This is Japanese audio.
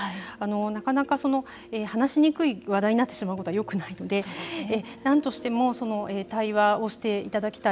なかなか話しにくい話題になってしまうことはよくないんでなんとしても対話をしていただきたい。